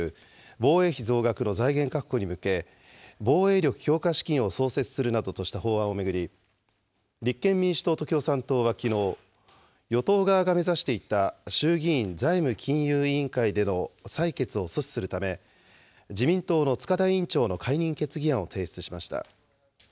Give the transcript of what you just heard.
防衛費増額の財源確保に向け、防衛力強化資金を創設するなどとした法案を巡り、立憲民主党と共産党はきのう、与党側が目指していた衆議院財務金融委員会での採決を阻止するため、自民党の塚田委員長の解任決議案を提出しました。